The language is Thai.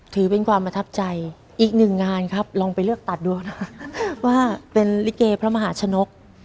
ถือเป็นความประทับใจอีกหนึ่งงานครับลองไปเลือกตัดดูนะว่าเป็นลิเกพระมหาชนก